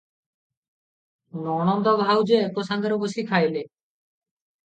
ନଣନ୍ଦ ଭାଉଜ ଏକ ସାଙ୍ଗରେ ବସି ଖାଇଲେ ।